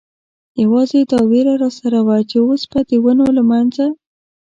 یوازې دا وېره را سره وه، چې اوس به د ونو له منځه.